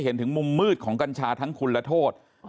เห็นถึงมุมมืดของกัญชาทั้งคุณและโทษ